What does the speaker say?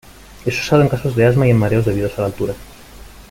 Es usado en casos de asma y en mareos debidos a la altura.